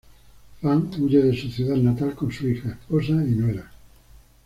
Fan huye de su ciudad natal con su hija, esposa y nuera.